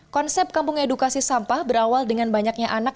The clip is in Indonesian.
konsep kampung edukasi sampah berawal dengan banyaknya anak